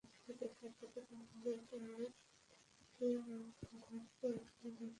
ততদিন পর্যন্ত আমি দ্রুইগরকে অনন্ত রজনীর গর্ভেই রাখবো।